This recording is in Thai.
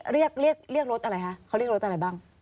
เขาเรียกรถอะไรบ้าง